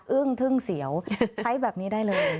ึ้งทึ่งเสียวใช้แบบนี้ได้เลย